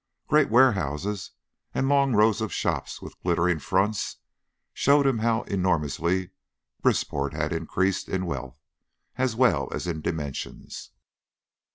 Great warehouses, and long rows of shops with glittering fronts, showed him how enormously Brisport had increased in wealth as well as in dimensions.